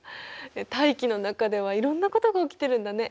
大気の中ではいろんなことが起きてるんだね。